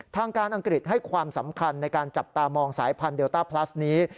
ทางการอังกฤษให้ความสำคัญในการจับตามองสายพันธุเดลต้าพลัสนี้